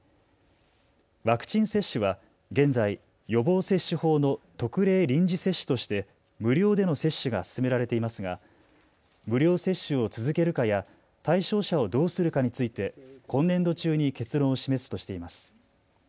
ワクチン接種は現在、予防接種法の特例臨時接種として無料での接種が進められていますが無料接種を続けるかや対象者をどうするかについて今年度中に結論を示すとしています。